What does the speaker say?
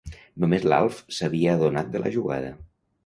Només l'Alf s'havia adonat de la jugada.